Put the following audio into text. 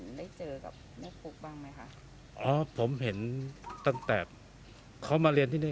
ได้เจอกับแม่ปุ๊กบ้างไหมคะอ๋อผมเห็นตั้งแต่เขามาเรียนที่นี่